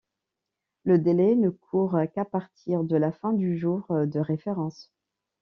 Le délai ne court qu'à partir de la fin du jour de référence.